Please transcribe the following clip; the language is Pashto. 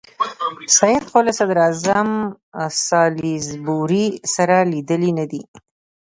سید خو له صدراعظم سالیزبوري سره لیدلي نه دي.